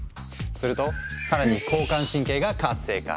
すると更に交感神経が活性化。